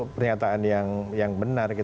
pernyataan yang benar